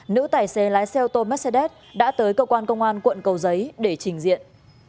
nữ tài xế lái xe ô tô mercedes đã tới cơ quan công an quận cầu giấy để trình diện